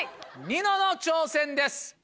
ニノの挑戦です。